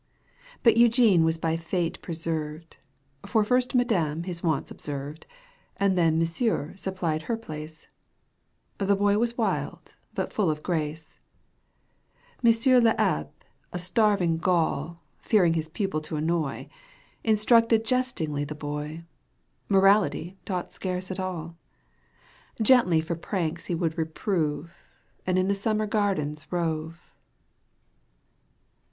But Eugene was by fate preserved, For first " madame" his wants observed. And then " monsieur " supplied her place ;^ The boy was wild but full of grace. " Monsieur Г Abbe," a starving Gaul, Digitized by VjOOQ 1С 1 CANTO I. EUGENE ON^GUINE. Fearing his pupil to annoy, Instructed jestingly the boy, Morality taught scarce at all ; Gently for pranks he would reprove And in the Summer Garden rove.